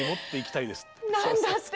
何だって？